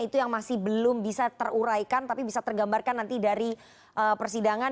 itu yang masih belum bisa teruraikan tapi bisa tergambarkan nanti dari persidangan